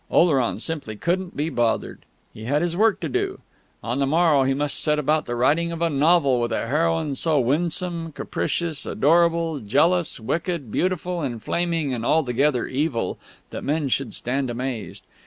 Oleron simply couldn't be bothered. He had his work to do. On the morrow, he must set about the writing of a novel with a heroine so winsome, capricious, adorable, jealous, wicked, beautiful, inflaming, and altogether evil, that men should stand amazed.